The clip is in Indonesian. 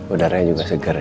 udara nya juga segar ya